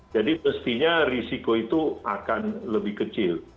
jadi mestinya risiko itu akan lebih kecil